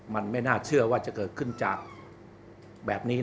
มันไม่น่าเชื่อว่าจะเกิดขึ้นจากแบบนี้